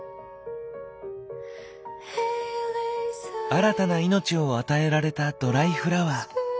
新たな命を与えられたドライフラワー。